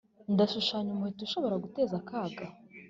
ndashushanya umuheto ushobora guteza akaga?